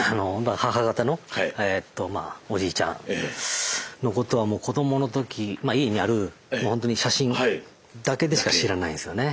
母方のおじいちゃんのことはもう子どもの時まあ家にある本当に写真だけでしか知らないんですよね。